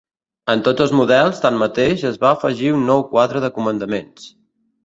En tots els models, tanmateix, es va afegir un nou quadre de comandaments.